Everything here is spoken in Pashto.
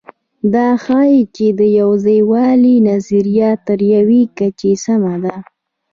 دا ښيي، چې د یوځایوالي نظریه تر یوې کچې سمه ده.